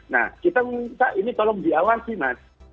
nah kita minta ini tolong diawasi mas